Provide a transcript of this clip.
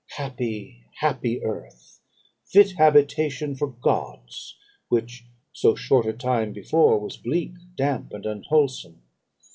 Happy, happy earth! fit habitation for gods, which, so short a time before, was bleak, damp, and unwholesome.